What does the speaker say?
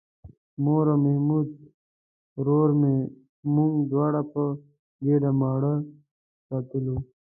مور او محمود ورور مې موږ دواړه په ګېډه ماړه ساتلو.